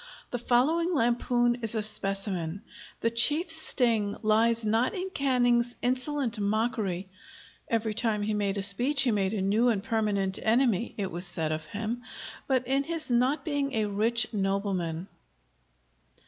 The following lampoon is a specimen; the chief sting lies not in Canning's insolent mockery, "Every time he made a speech he made a new and permanent enemy," it was said of him, but in his not being a rich nobleman.